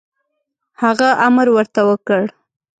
هغه امر ورته وکړ.